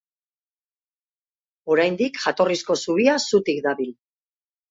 Oraindik jatorrizko zubia zutik dabil.